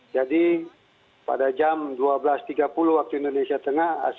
jadi pada jam dua belas tiga puluh waktu indonesia tengah